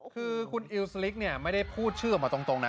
คือคุณอิลสลิกไม่ได้พูดชื่อออกมาจริงนะ